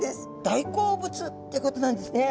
大好物ってことなんですね。